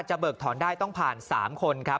เบิกถอนได้ต้องผ่าน๓คนครับ